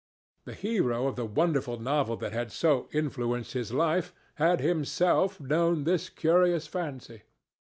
The hero of the wonderful novel that had so influenced his life had himself known this curious fancy.